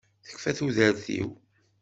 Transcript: Tekfa tudert-iw!